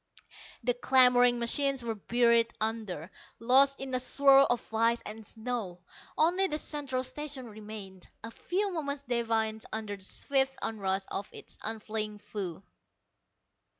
The clamoring machines were buried under, lost in a swirl of ice and snow. Only the Central Station remained, a few moments defiant under the swift onrush of its unfeeling foe.